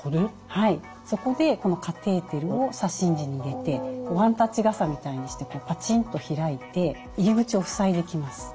はいそこでこのカテーテルを左心耳に入れてワンタッチ傘みたいにしてパチンと開いて入り口を塞いでいきます。